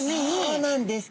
そうなんです！